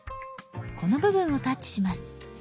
この部分をタッチします。